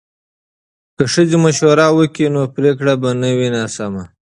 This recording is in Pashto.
که ښځې مشورې ورکړي نو پریکړه به نه وي ناسمه.